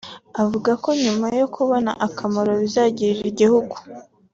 Avuga ko nyuma yo kubona akamaro bizagirira igihugu